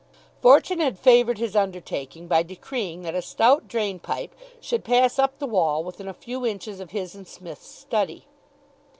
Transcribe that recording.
Fortune had favoured his undertaking by decreeing that a stout drain pipe should pass up the wall within a few inches of his and Psmith's study.